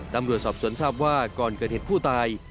ตำรวจสอบสวนทราบว่าก่อนเกิดเหตุผู้ตาย